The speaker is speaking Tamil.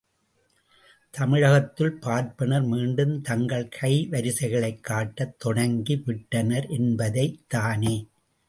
தமிழகத்துள் பார்ப்பனர் மீண்டும் தங்கள் கைவரிசைகளைக் காட்டத் தொடங்கிவிட்டனர் என்பதைத் தானே?